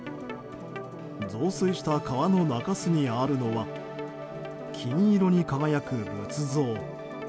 増水した川の中州にあるのは金色に輝く仏像。